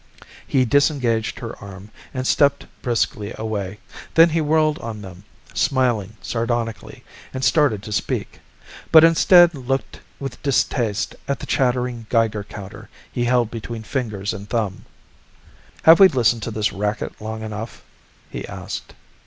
He disengaged her arm and stepped briskly away. Then he whirled on them, smiling sardonically, and started to speak, but instead looked with distaste at the chattering Geiger counter he held between fingers and thumb. "Have we listened to this racket long enough?" he asked.